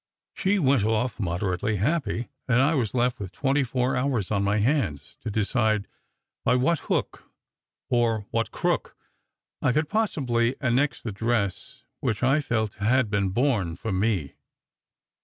She went off moderately happy; and I was left with twenty four hours on my hands to decide by what hook, or what crook, I could possibly annex the dress which I felt had been born for me.